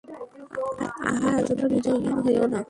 আহা, এতটা হৃদয়হীন হয়ো না।